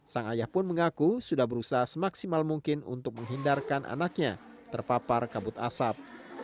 sang ayah pun mengaku sudah berusaha semaksimal mungkin untuk menghindarkan anaknya terpapar kabut asap